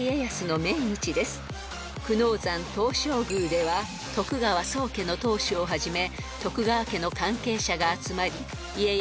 ［久能山東照宮では徳川宗家の当主をはじめ徳川家の関係者が集まり］